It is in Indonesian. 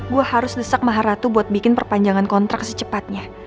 gue harus desak maharatu buat bikin perpanjangan kontrak secepatnya